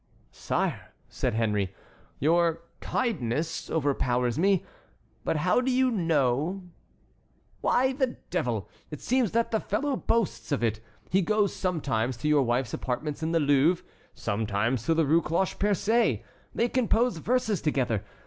"Sire," said Henry, "your kindness overpowers me; but how do you know"— "Why, the devil! it seems that the fellow boasts of it. He goes sometimes to your wife's apartments in the Louvre, sometimes to the Rue Cloche Percée. They compose verses together.